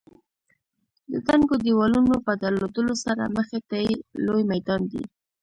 د دنګو دېوالونو په درلودلو سره مخې ته یې لوی میدان دی.